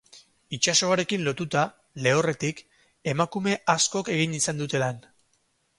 Itsasoarekin lotuta, lehorretik, emakume askok egin izan dute lan.